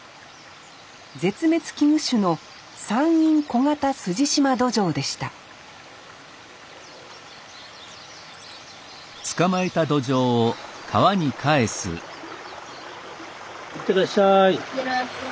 絶滅危惧種のいってらっしゃい。